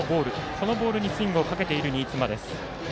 このボールにスイングをかけている新妻です。